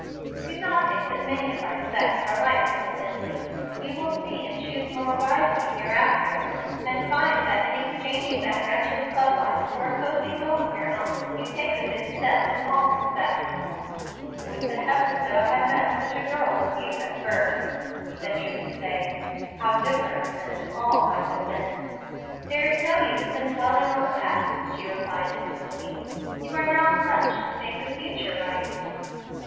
"Do not think that even many of our sex are like Miss Bently. You will see and choose more wisely hereafter, and find that, in exchanging that wretched club life for a cosey home of your own, you take a good step in all respects." "Would to Heaven that I had met such a girl as you at first!" he ventured to say. "How different then all might have been!" "There is no use in dwelling on the past," she replied, innocently. "You are now pledged to make the future right."